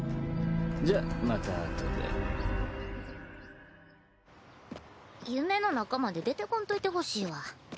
じゃまたあとで夢の中まで出てこんといてほしいわ。